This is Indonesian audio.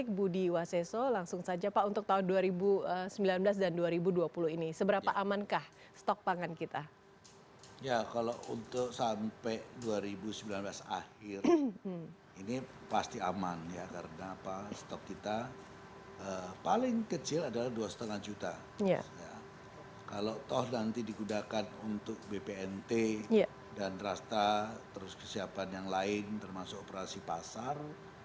kalau toh nanti digudakan untuk bpnt dan rasta terus kesiapan yang lain termasuk operasi pasar